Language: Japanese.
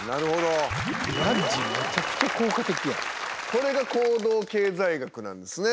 これが行動経済学なんですね。